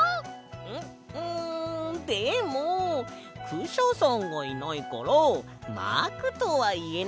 んっんでもクシャさんがいないからマークとはいえないよ。